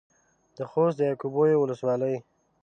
د خوست د يعقوبيو ولسوالۍ.